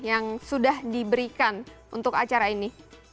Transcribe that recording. yang sudah diberikan untuk acara ini